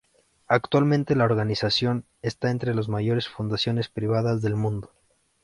Actualmente, la organización está entre las mayores fundaciones privadas del mundo.